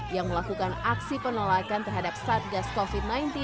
yang melakukan aksi penolakan terhadap satgas covid sembilan belas